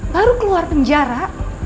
baru keluar penjara